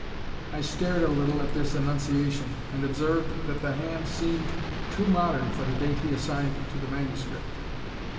I stared a little at this annunciation, and observed, that the hand seemed too modern for the date he assigned to the manuscript.